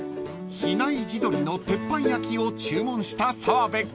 ［比内地鶏の鉄板焼きを注文した澤部君］